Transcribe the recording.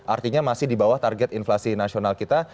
artinya masih di bawah target inflasi nasional kita